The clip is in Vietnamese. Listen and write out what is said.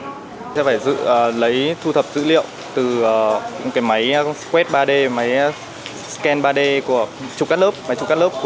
chúng ta phải lấy thu thập dữ liệu từ máy square ba d máy scan ba d của chục các lớp